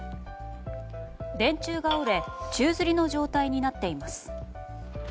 電柱が折れ宙づりの状態になっています。